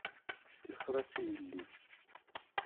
Tixer-as i yelli